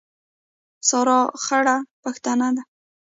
سارا خړه پښتنه ده.